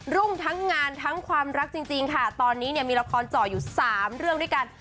รุ่งทั้งงานทั้งความรักจริงค่ะตอนนี้เนี่ยมีละครเจาะอยู่๓เรื่องด้วยกัน